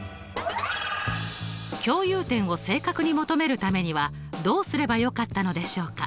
共有点を正確に求めるためにはどうすればよかったのでしょうか？